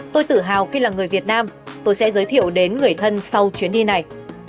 tôi tự hào khi là người việt nam tôi sẽ giới thiệu đến người thân sau chuyến đi này